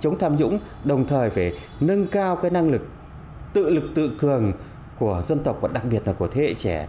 chống tham nhũng đồng thời phải nâng cao năng lực tự lực tự cường của dân tộc và đặc biệt là của thế hệ trẻ